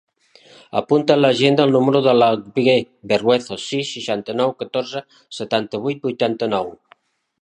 Apunta a l'agenda el número de l'Alguer Berruezo: sis, seixanta-nou, catorze, setanta-vuit, vuitanta-nou.